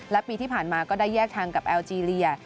และปีที่ผ่านมาก็ได้แยกทางกับแอลจีเรีย